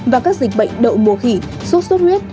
và các dịch bệnh đậu mùa khỉ sốt sốt huyết